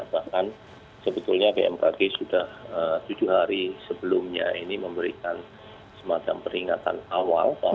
bahkan sebetulnya bmkg sudah tujuh hari sebelumnya ini memberikan semacam peringatan awal